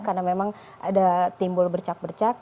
karena memang ada timbul bercak bercak